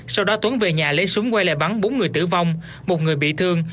sau đó tuấn về nhà lấy súng quay lại bắn bốn người tử vong một người bị thương